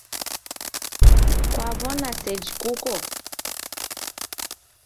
Kwaw'ona seji kuko